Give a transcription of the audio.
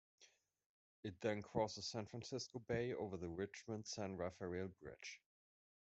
It then crosses San Francisco Bay over the Richmond-San Rafael Bridge.